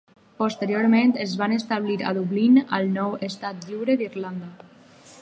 Posteriorment es va establir a Dublín, al nou Estat Lliure d'Irlanda.